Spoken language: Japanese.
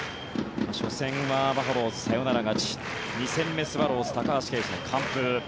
初戦はバファローズ、サヨナラ勝ち２戦目スワローズ、高橋奎二の完封。